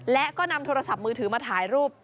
และก็นำโทรศัพท์มือถือมาถ่ายรูป